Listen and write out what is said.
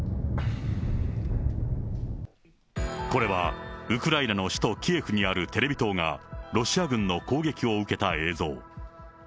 これは、ウクライナの首都キエフにあるテレビ塔が、ロシア軍の攻撃を受けた映像。